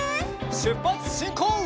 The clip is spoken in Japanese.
しゅっぱつしんこう！